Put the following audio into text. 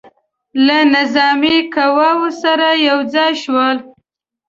له نظامي قواوو سره یو ځای شول.